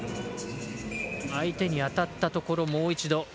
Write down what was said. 相手に当たったところ、もう一度。